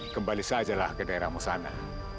kembali sajalah ke daerahmu sana